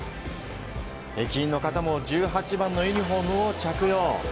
駅員の方も１８番のユニホームを着用。